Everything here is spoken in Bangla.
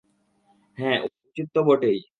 হ্যাঁ, উচিত তো বটেই।